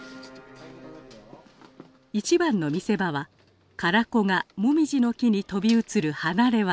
一番の見せ場は唐子がモミジの木に飛び移る離れ業。